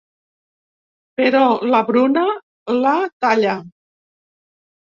Però la Bruna la talla.